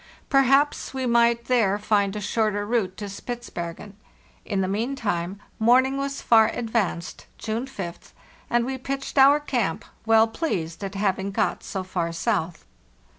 Perhaps we might there find a shorter route to Spitz bergen. In the meantime morning was far advanced (June 5th), and we pitched our camp, well pleased at having got so far south."